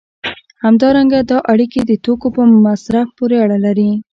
همدارنګه دا اړیکې د توکو په مصرف پورې اړه لري.